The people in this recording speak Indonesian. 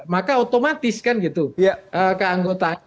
maka otomatis kan gitu keanggotaannya